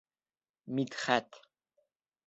Мидхәт...